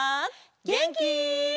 げんき？